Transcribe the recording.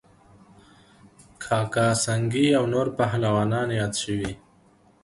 کاکه سنگی او نور پهلوانان یاد شوي